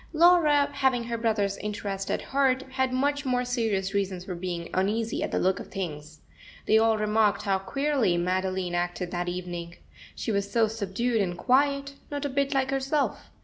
Laura, having her brother's interest at heart, had much more serious reasons for being uneasy at the look of things. They all remarked how queerly Madeline acted that evening. She was so subdued and quiet, not a bit like herself.